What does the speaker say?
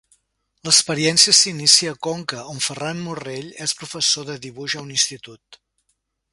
L'experiència s'inicia a Conca, on Ferran Morrell és professor de dibuix a un institut.